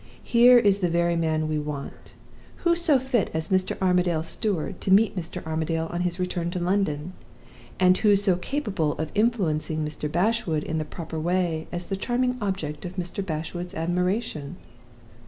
'Here is the very man we want. Who so fit as Mr. Armadale's steward to meet Mr. Armadale on his return to London? And who so capable of influencing Mr. Bashwood in the proper way as the charming object of Mr. Bashwood's admiration?